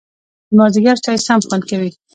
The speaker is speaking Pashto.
د مازیګر چای سم خوند کوي